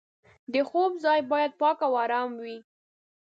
د خوب ځای باید پاک او ارام وي.